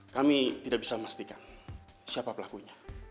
kami tidak bisa memastikan siapa pelakunya